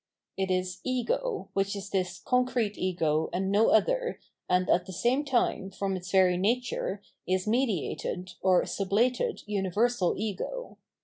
It is ego, which is this concrete ego and no other, and at the same time, from its very nature, is mediated^ or sublated universal ego.